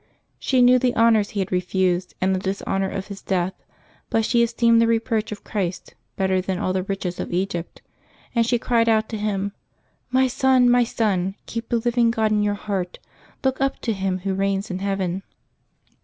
She knew the honors he had refused and the dishonor of his death, but she esteemed the reproach of Christ better than ail the riches of Egypt, and she cried out to him, " My son, my son, keep the living God in your heart ; look up to Him Wbo reigns in heaven.